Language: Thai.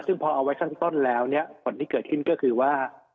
ซึ่งพอเอาไว้ข้างต้นแล้วเนี่ยผลที่เกิดขึ้นก็คือว่า